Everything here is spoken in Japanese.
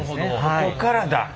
ここからだ。